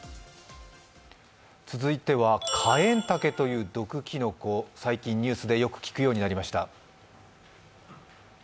続いてはカエンタケという毒きのこ、最近ニュースでよく聞くようになりました。